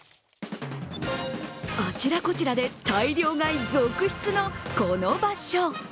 あちらこちらで大量買い続出のこの場所。